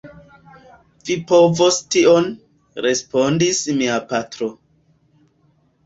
Vi povos tion, respondis mia patro.